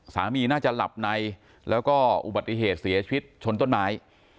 น่าจะหลับในแล้วก็อุบัติเหตุเสียชีวิตชนต้นไม้